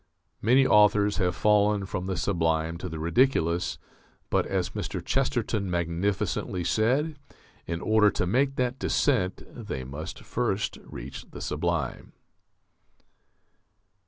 Many authors have fallen from the sublime to the ridiculous; but, as Mr. Chesterton magnificently said, in order to make that descent they must first reach the sublime.